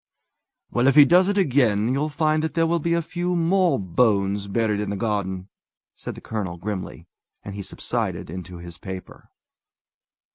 "Well, if he does it again, you'll find that there will be a few more bones buried in the garden!" said the colonel grimly; and he subsided into his paper.